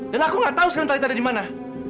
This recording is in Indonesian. dan aku nggak tahu sekarang talitha ada di mana